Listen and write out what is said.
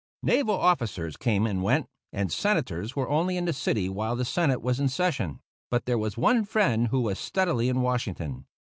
Naval officers came and went, and Senators were only in the city while the Senate was in session; but there was one friend who was steadily in Washington.